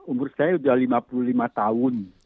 umur saya sudah lima puluh lima tahun